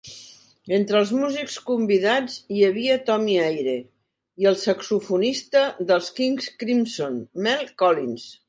Entre els músics convidats hi havia Tommy Eyre i el saxofonista dels King Crimson Mel Collins.